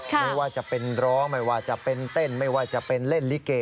ไม่ว่าจะเป็นร้องไม่ว่าจะเป็นเต้นไม่ว่าจะเป็นเล่นลิเก